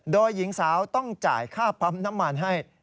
โดยหญิงสาวต้องจ่ายค่าปั๊มน้ำมันให้